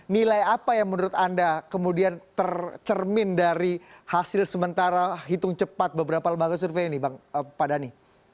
nilai apa yang menurut anda kemudian tercermin dari hasil sementara hitung cepat beberapa lembaga survei ini pak dhani